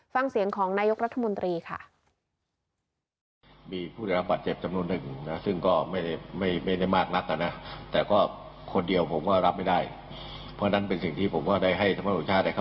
ฟังเสียงของนายกรัฐมนตรีค่ะ